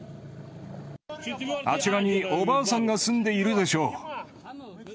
あちらにおばあさんが住んでいるでしょう。